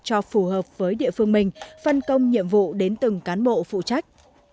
cho phù hợp với địa phương mình phân công nhiệm vụ đến từng cán bộ phụ trách